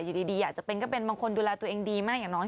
อยู่ดีอยากจะเป็นก็เป็นบางคนดูแลตัวเองดีมากอย่างน้อย